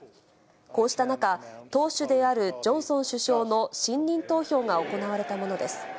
こうした中、党首であるジョンソン首相の信任投票が行われたものです。